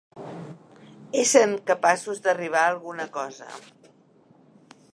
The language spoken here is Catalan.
Essent capaços d'arribar a alguna cosa.